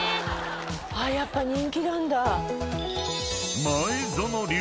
やっぱ人気なんだ。